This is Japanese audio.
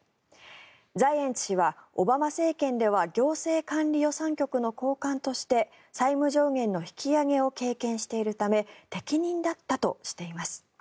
ザイエンツ氏はオバマ政権では行政管理予算局の監督として債務上限の引き上げを経験しているため適任だったとしています。